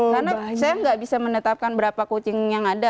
karena saya gak bisa menetapkan berapa kucing yang ada